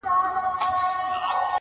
نظم په ژوند کي د کامیابۍ اساس دی.